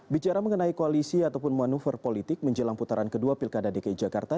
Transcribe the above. bicara mengenai koalisi ataupun manuver politik menjelang putaran kedua pilkada dki jakarta